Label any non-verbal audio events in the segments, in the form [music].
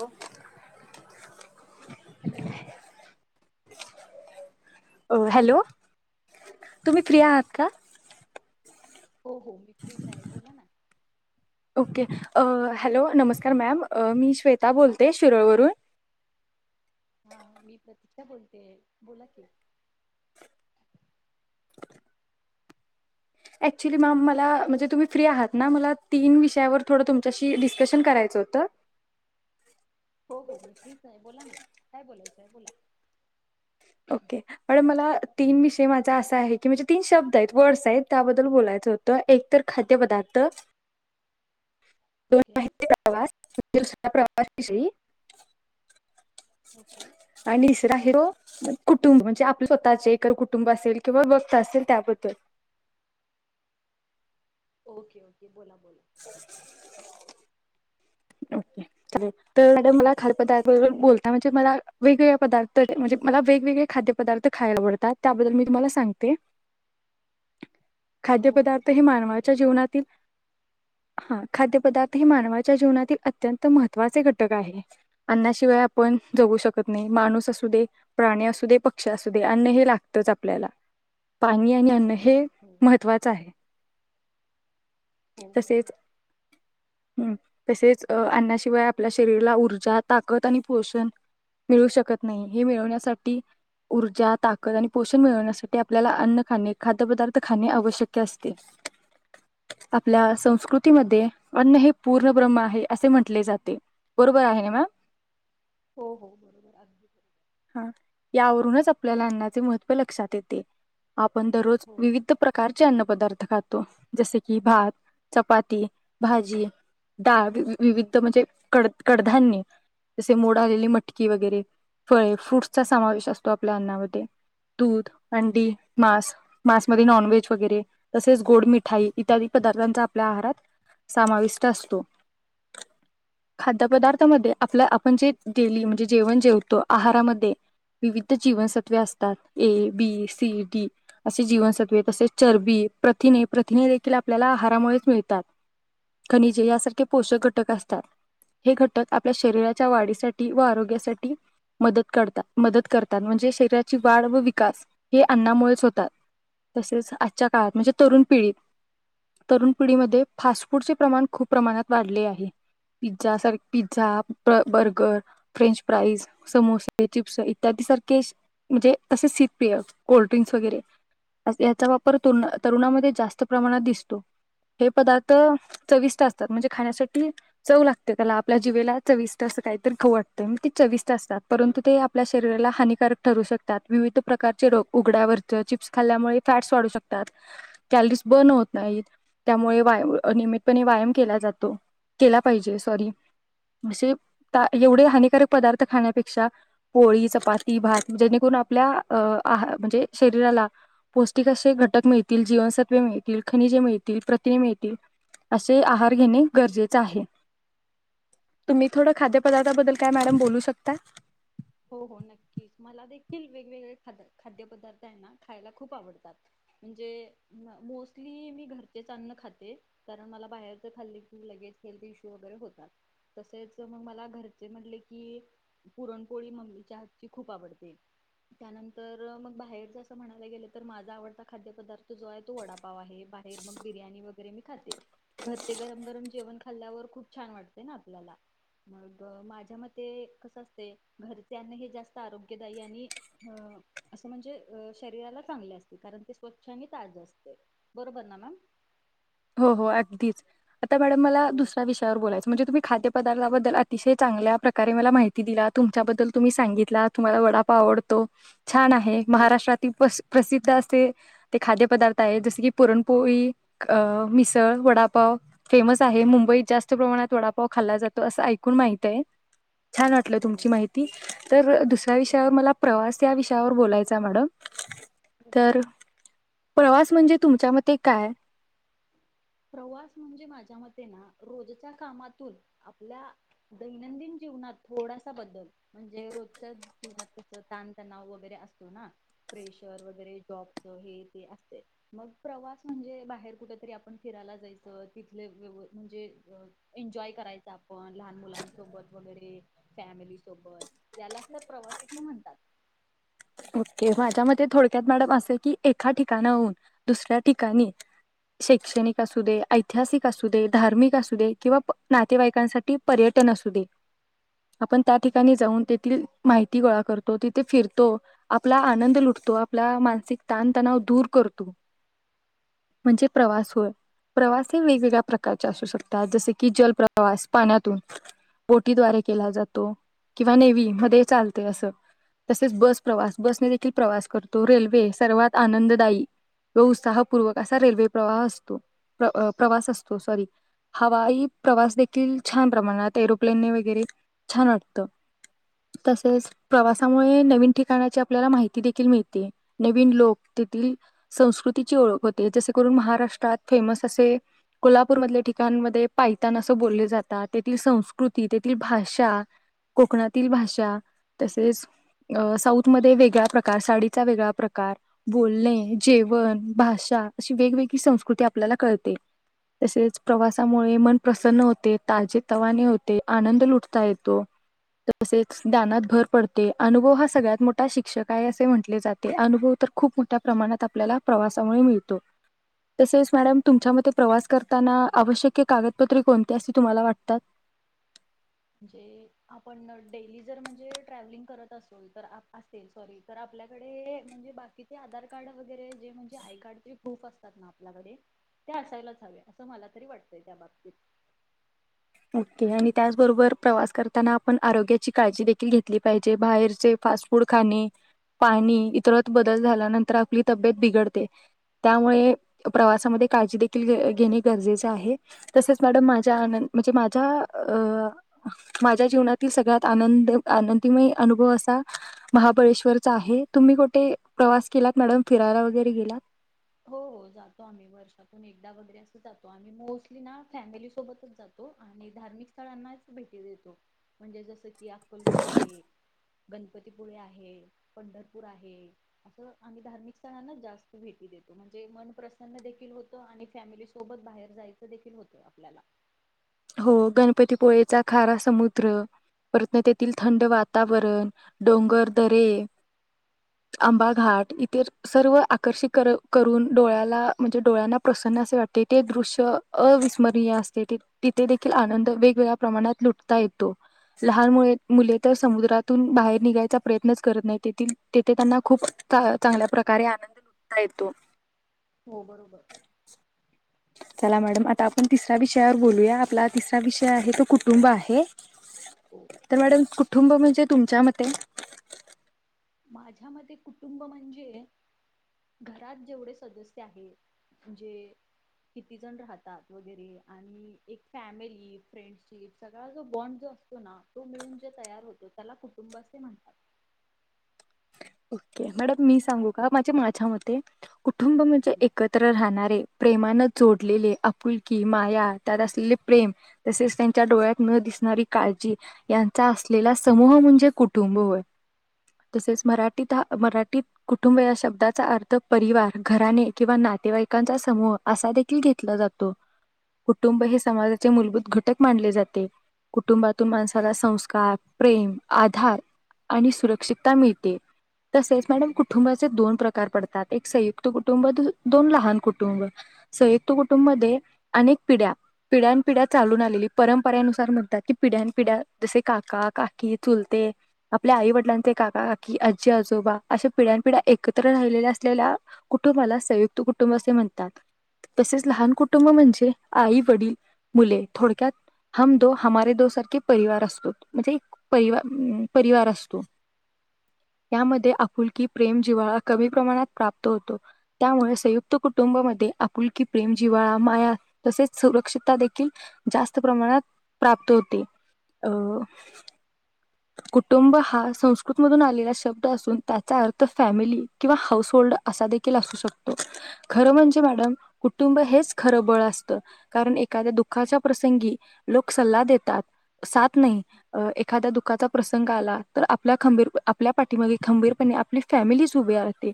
हो hello hello तुम्ही free आहात का हो हो मी फ्रीच आहे बोला ना ओके हॅलो नमस्कार मॅम मी श्वेता बोलते शिरळवरून हा मी प्रतीक्षा बोलते बोला कि ऍक्च्युली मॅम मला म्हणजे तुम्ही फ्री आहात ना मला तीन विषयावर थोडं तुमच्याशी डिस्कशन करायचं होतं हो हो मी फ्रीच आहे बोला ना काय बोलायचं आहे बोला ओके मॅडम मला तीन विषय माझा असा आहे की म्हणजे तीन शब्द आहेत वर्ड्स आहेत त्याबद्दल बोलायचं होतं एक तर खाद्य पदार्थ ओके [unintelligible] ओके आणि तिसरा आहे तो कुटुंब म्हणजे आपले स्वतःचे एक कुटुंब असेल किंवा बक्त असेल त्याबद्दल ओके ओके बोला बोला ओके तर मॅडम मला खाद्यपदार्थ बोलता म्हणजे मला वेगवेगळे पदार्थ म्हणजे मला वेगवेगळे खाद्य पदार्थ खायला आवडतात त्याबद्दल मी तुम्हाला सांगते हो हो खाद्यपदार्थ हे चालेल ठीक आहे मानवाच्या बोला जीवनातील हा खाद्य पदार्थ हे मानवाच्या जीवनातील अत्यंत महत्त्वाचे घटक आहे अन्नाशिवाय आपण जगू शकत नाही माणूस असू दे प्राणी असू दे पक्षी असू दे अन्न हे लागतच आपल्याला पाणी आणि अन्न हे हो महत्त्वाचं आहे हो तसेच बरोबर हम् तसेच अन्नाशिवाय आपल्या शरीरला ऊर्जा ताकद आणि पोषण मिळू शकत नाही हे मिळवण्यासाठी ऊर्जा ताकद आणि पोषण मिळवण्यासाठी आपल्याला अन्न खाणे खाद्य पदार्थ खाणे आवश्यक असते आपल्या संस्कृतीमध्ये अन्न हे पूर्ण ब्रह्म आहे असे म्हटले जाते बरोबर आहे ना मॅम हो हो हा यावरूनच आपल्याला अन्नाचे महत्व लक्षात येते आपण दररोज हो विविध प्रकारचे अन्नपदार्थ का तो जेसे क कि भात, चपाती, भाजी, डाळ विविध म्हणजे कड कडधान्य जसे मोड आलेली मटकी वगैरे फळे फ्रूट्सचा समावेश असतो आपल्या अन्नामध्ये दूध अंडी मांस मांसमध्ये नॉनव्हेज वगैरे तसेच गोड मिठाई इ पदार्थचा आपल्या आहारात समाविष्ट असतो. खाद्यपदार्थामध्ये आपल्या आपण जे डेली म्हणजे जेवण जेवतो आहारामध्ये विविध जीवनसत्वे असतात ए बी सी डी असे जीवनसत्वे तसेच चरबी प्रथिने प्रथिने आपल्याला आहारामुळेच मिळतात खनिजे यासारखे पोषक घटक असतात हे घटक आपल्या शरीराच्या वाढीसाठी व आरोग्यासाठी मदत करतात मदत करतात म्हणजे शरीराची वाढ व विकास हे अन्नामुळेच होतात तसेच आजच्या काळात म्हणजे तरुण पिढित तरुण पिढीमध्ये फास्ट फूड चे प्रमाण खूप प्रमाणात वाढले आहे पिझ्झा सारख पिझ्झा बर्गर फ्रेंच फ्राईज समोसे चिप्स इत्यादी सारखे म्हणजे तसे सीपेय कोल्ड्रिंक्स वगैरे याचा वापर तरुणामध्ये जास्त प्रमाणात दिस हे पदार्थ चवि असतात म्हणजे खाण्यासाठी चव लागते त्याला आपल्या जीवेला चविस् अस काहीतरी खऊ वाटत ते चविस् असतात परंतु ते आपल्या शरीराला हानिकारक ठरू शकतात विविध प्रकारचे उघड्यावर चिप्स खाल्ल्यामुळे फॅट्स वाढू शकतात कॅलरीज बर्नत नाहीत त्यामुळे नियमितपणे व्यायाम केला जातो केला पाहिजे सॉरी असे एवढे हानिकारक पदार्थ खाण्यापेक्षा पोळी चपाती भात जेणेकरून आपल्या अ आहार म्हणजे शरीराला पौष्टिक असे घटक मिळतील जीवनसत्व मिळतील खनिजे मिळतील प्रतिने मिळतील असे आहार घेणे गरजेचे आहे तुम्ही थोडं खाद्यपदार्थाबद्दल काय मॅडम बोलू शकता हो हो नक्कीच मला देखील वेगवेगळे ख खाद्यपदार्थ आहे ना खायला खूप आवडतात म्हणजे मोस्टली मी घरचेच अन्न खाते कारण मला बाहेरच खाल्ले की लगेच हेल्थ इशू वगैरे होतात तसेच मग मला घरचे म्हटले की पुरण कोळी ममलीच्या हातची खूप आवडते त्यानंतर मग बाहेर जसं म्हणायला गेलं तर माझा आवडता खाद्य पदार्थ जो आहे तो वडापाव आहे बाहेर मग बिर्याणी वगैरे मी खाते घर ते गरम गरम जेवण खाल्ल्यावर खूप छान वाटते ना आपल्याला मग माझ्या मते कस असते घरचे अ हे जास्त आरोग्यदायी आणि अ असं म्हणजे शरीराला चांगले असते कारण ते स्वच्छ आणि ताज असते बरोबर ना मॅम हो हो अगदीच आता मॅडम मला होय दुसर्‍या विषयावर बोलायं म्हणजे तुम्ही खाद्य पदार्थबद्दल अतिशय चांगल्या प्रकारे मला माहिती दिला तुमच्याबद्दल तुम्ही सांगितला तुम्हाला वडापाव आवडतो छान आहे हो महाराष्ट्रातील बस प्रसिद्ध असे ते खाद्यपदार्थ आहे जसे की पुरणपोळी अ मिसळ वडापाव फेमस आहे मुंबईत जास्त प्रमाणात वडापाव खाल्ला जातो असं ऐकून माहित आहे छान वाटलं हो तुमची माहिती तर दुसऱ्या विषयावर मला प्रवास या विषयावर बोलायच आहे मॅडम तर [inaudible] प्रवास म्हणजे तुमच्या मते काय प्रवास म्हणजे माझ्या मते ना रोजच्या कामातून आपल्या दैनंदिन जीवनात थोडासा बदल म्हणजे रोजच्या जीवनात कस ताणतणाव वगैरे असतो ना प्रेशर वगैरे जॉबच हे ते असते मग प्रवास म्हणजे बाहेर कुठ तरी आपण फिरायला जायचं तिथले व म्हणजे एन्जॉय करायचं आपण लहान मुलांसोबत वगैरे फॅमिली सोबत यालाच तर प्रवास असं म्हणतात ओके माझ्या म थोडक्यात मॅडम असं की एका ठिकाणा होन दुसऱ्या ठिकाणी शैक्षणिक असू दे ऐतिहासिक असू दे धार्मिक असू दे किंवा नातेवाईकांसाठी पर्यटन असू दे आपण त्या ठिकाणी जाऊन तेथील माहिती गोळा करतो तिथे फिरतो आपला आनंद लुटतो आपला मानसिक ताणतणाव दूर करतो म्हणजे प्रवास होय प्रवास हे वेगवेगळ्या प्रकारचे असू शकतात जसे की जल प्रवास पाण्यातून बोटीद्वारे केला जातो किंवा नेवी मध्ये चालते असं तसेच बस प्रवास बसने देखील प्रवास करतो रेल्वे सर्वात आनंददायी व उत्साहपूर्वक असा रेल्वे प्रवाह असतो प्रवास असतो सॉरी हवाई प्रवास देखील छान प्रमाणात एरोप्लेनने वगैरे छान वाटत तसेच प्रवासामुळे नवीन ठिका ा आपल्याला माहिती देखील मिळते नवीन लोक तेथील संस्कृतीची ओळख होते जसे करून महाराष्ट्रात फेमस असे कोल्हापूर मधल्या ठिकाणमध्ये पायतान असे बोलले जातात तेथील संस्कृती तेथील भाषा कोकणातील भाषा तसेच साऊथ मध्ये वेगळा्या प्रकार साडीचा वेगळा प्रकार बोलणे जेवण भाषा अशी वेगवेगळी संस्कृती आपल्याला कळते तसेच प्रवासामुळे मन प्रसन्न होते ताजे तवाने होते आनंद लुटता येतो तसेच जानात भर पडते अनुभव हा सगळ्यात मोठा शिक्षक आहे असे म्हटले जाते अनुभव तर खूप मोठ्या प्रमाणात आपल्याला प्रवासामुळे मिळतो तसेच मॅडम तुमच्यामध्ये प्रवास करताना आवश्यक कागदपत्रे कोणती असे तुम्हाला वाटतात आपण डेली जर म्हणजे ट्रॅव्हलिंग करत असो तर असे सॉरी तर आपल्याकडे म्हणजे बाकीचे आधार कार्ड वगरे आय कारड आपल्याकडे ते असायलाच हवे असं मला तरी वाटतय त्या बाबतीत ओके आणि त्याचबरोबर प्रवास करताना आपण आरोग्याची काळजी देखील घेतली पाहिजे बाहेरचे फास्ट फूड खाणे पाणी इतर बदल झाल्यानंतर आपली तब्येत बिघडते त्यामुळे प्रवासामध्ये काळजी देखील घेणे गरजेचे आहे तसेच मॅडम माझ्या आन म्हणजे माझ्या अ माझ्या जीवनातील सगळ्यात आनंद आनंदीमय अनुभव असा महाबळेश्वरचा आहे तुम्ही कुठे प्रवास केलात मॅडम फिरायला वगैरे गेलात हो जातो आम्ही वर्षातून एकदा वगैरे असं जातो आम्ही मोस्टली ना फॅमिली सोबतच जातो आणि धार्मिक स्थळांनाच भेटी देतो म्हणजे जसं की अक्कलकोट आहे गणपतीपुळे आहे पंढरपूर आहे असं आम्ही धार्मिक स्थळांना जास्त भेटी देतो म्हणजे मन प्रसन्न देखील होत आणि फॅमिली सोबत बाहेर जायच देखील होत आपल्याला हो गणपतीपुळेचा खारा समुद्र परत तेथील थंड वातावरण डोंगर दरे आंबा घाट इतर सर्व आकर्षित कर करून डोळ्याला म्हणजे डोळ्यांना प्रसन्न असे वाटते ते दृश्य अविस्मरणीय असते ते तिथे देखील आनंद वेगवेगळ्या प्रमाणात लुटता येतो लहान मुळे मुले तर समुद्रातून बाहेर निघायचा प्रयत्नच करत नाही तेथील तेथे त्यांना खूप चा चांगल्या प्रकारे आनंद लुटता येतो हो बरोबर चला मॅडम आता आपण तिसऱ्या विषयावर बोलूया आपला तिसरा विषय आहे तो कुटुंब आहे तर मॅडम कुठ कुटुंब म्हणजे तुमच्या मते माझ्या मते कुटुंब म्हणजे घरात जेवढे सदस्य आहेत म्हणजे किती जण राहतात वगैरे आणि एक फॅमिली फ्रेंडशिप सगळा जो बॉन्ड जो असतो ना तो मिळून जे तयार होतो त्याला कुटुंब असे म्हणतात ओके मॅडम मी सांगू का माझे माझ्या मते कुटुंब म्हणजे एकत्र राहणारे प्रेमानं जोडलेले आपुलकी माया त्यात असलेले प्रेम तसेच त्यांच्या डोळ्यातन दिसणारी काळजी यांचा असलेला समूह म्हणजे कुटुंब होय तसेच मराठी तिथा मराठीत कुटुंब या शब्दाचा अर्थ परिवार घराने किंवा नातेवाईकांचा समूह असा देखील घेतला जातो कुटुंब हे समाजाचे मूलभूत घटक मानले जाते कुटुंबातून माणसाला संस्कार प्रेम आधार आणि सुरक्षितता मिळते तसेच मॅडम कुटुंबाचे दोन प्रकार पडतात एक संयुक्त कुटुंब दुस दोन लहान कुटुंब संयुक्त कुटुंब मध्ये अनेक पिढ्या पिढ्यानपिढ्या चालून आलेली परंपरेनुसार म्हणतात की पिढ्यान पिढ्या जसे काका काकी चुलते आपल्या आईवडिलांचे काका काकी आ.. आजी आजोबा अशा पिढ्यानपिढ्या एकत्र राहिलेल्या असलेल्या कुटुंबाला संयुक्त कुटुंब असे म्हणतात तसेच लहान कुटुंब म्हणजे आई वडील मुले थोडक्यात हम दो हमारे दो सारखे परिवार असतो म्हणजे एक परिवा परिवार असतो यामध्ये आपुलकी प्रेम जिव्हाळा कमी प्रमाणात प्राप्त होतो त्यामुळे संयुक्त कुटुंबामध्ये आपुलकी प्रेम जिव्हाळा माया तसेच सुरक्षीता देखील जास्त प्रमाणात प्राप्त होते अं कुटुंब हा संस्कृतमधून आलेला श.. शब्द असून त्याचा अर्थ फॅमिली किंवा हाऊस होल्ड असा देखील असू शकतो खर म्हणजे मॅडम कुटुंब हेच खरं बळ असत कारण एखाद्या दुःखाच्या प्रसंगी लोक सल्ला देतात साथ नाही अ एखाद्या दुःखाचा प्रसंग आला तर आपल्या खंबीर आपल्या पाठीमगे खंबीरपणे आपली फॅमिलीच उभी राहते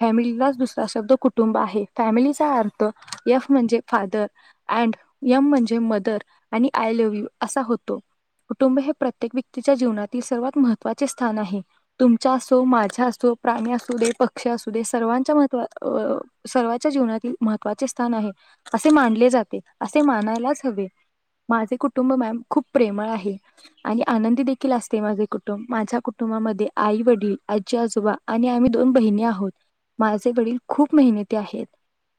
फॅमिलीलाच दुसरा शब्द कुटुंब आहे फॅमिलीचा अर्थ एफ म्हणजे फादर अँड यम म्हणजे मदर आणि आय लव्ह यू असा होतो कुटुंब हे प्रत्येक व्यक्तीच्या जीवनातील सर्वात महत्वाचे स्थान आहे तुमच्या असो माझ्या असो प्राणी असू दे पक्षी असू दे सर्वांच्या महत्व वव सर्वांच्या जीवनातील महत्त्वाचे स्थान आहे असे मानले जाते असे मानायलाच हवे माझे कुटुंब मॅम खूप प्रेमळ आहे आणी आनंदी देकी.. लाजते माझे कुटुंब माझ्या कुटुंबामध्ये आई वडील आजी आजोबा आणि आम्ही दोन बहिणी आहोत माझे वडील खूप मेहनती आहेत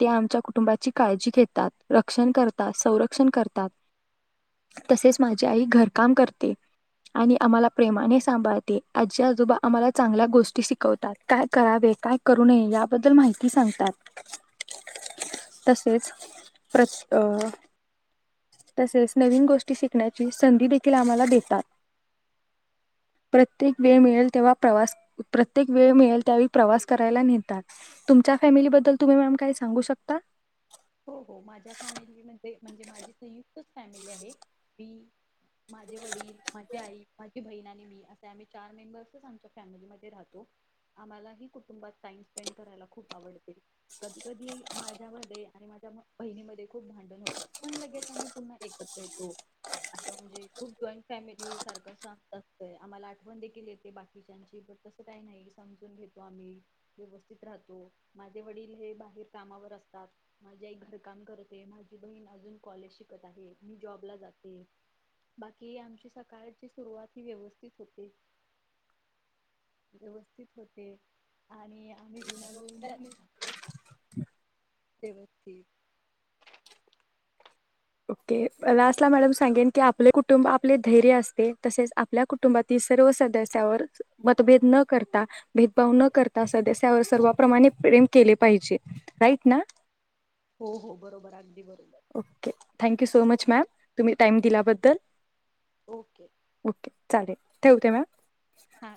ते आमच्या कुटुंबाची काळजी घेतात रक्षण करतात संरक्षण करतात तसेच माझी आई घरकाम करते आणि आम्हाला प्रेमाने सांभाळते आजी आ.. आजोबा आम्हाला चांगल्या गोष्टी शिकवतात काय करावे काय करू नये याबद्दल माहिती सांगतात तसेच तस अ तसेच नवीन गोष्टी शिकण्याची संधी देखील आम्हाला देतात प्रत्येक वेळ मिळेल तेव्हा प्रवास प्रत्येक वेळ मिळेल त्यावेळी प्रवास करायला नेतात तुमच्या फॅमिलीबद्दल तुम्ही मॅम काही सांगू शकता हो हो माझ्या फॅमेलीमध्ये म्हणजे माझी संयुक्त [unintelligible] फॅमिली आहे ही माझे वडील माझी आई माझी ती बहीण आणि मी असे आम्ही चार मेंबर्सच आमच्या फॅमिलीमध्ये राहतो आम्हालाही कुटुंबात टाइम स्पेंड करायला खूप आवडते कधी कधी माझ्या बड्डे आणि माझ्या बहिणीमध्ये खूप भांडन होतात पण लगेच आम्ही पुन्हा एकत्र येतो आस म्हणजे खूप जॉईंट फॅमिली सारख अस सतत आम्हाला आठवण देखील येते बाकीच्यांची पण तस काही नाही समजून घेतो आम्ही व्यवस्थित राहतो माझे वडील हे बाहेर कामावर असतात माझी आई घरकाम करते माझी बहीण अजून कॉलेज शिकत आहे मी जॉबला जाते बाकी आमची सकाळची सुरुवात ही व्यवस्थित होते व्यवस्थित होते आणि आम्ही गुण्या गोविंदाणे राहतो ते बघ ती ओके लास्टला मॅडम सांगेन की आपले कुटुंब आपले धैर्य असते तसेच आपल्या कुटुंबातील सर्व सदस्यावर मतभेद न करता भेदभाव न करता सदस्य त्यावर सर्वाप्रमाणे प्रेम केले पाहिजे राईट ना हो हो बरोबर अगदी बरोबर okay thank you so much ma'am तुम्ही टाइम दिल्याबद्दल ओके ओके चालेल ठेवते मॅम हा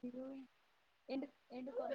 एंड कॉल